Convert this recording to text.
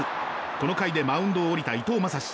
この回でマウンドを降りた伊藤将司。